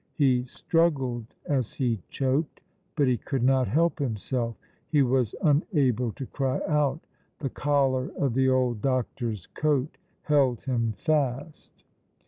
He struggled as he choked, but he could not help himself. He was unable to cry out. The collar of the old doctor's coat held him fast.